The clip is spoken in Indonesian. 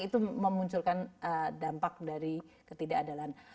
itu memunculkan dampak dari ketidakadalan